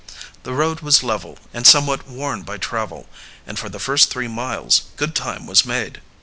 The road was level, and somewhat worn by travel, and for the first three miles good time was made.